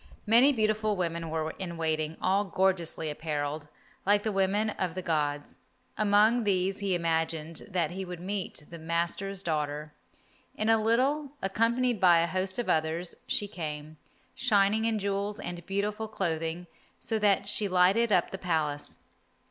Many beautiful women were in waiting, all gorgeously apparelled, like the women of the gods. Among these he imagined that he would meet the master's daughter. In a little, accompanied by a host of others, she came, shining in jewels and beautiful clothing so that she lighted up the Palace.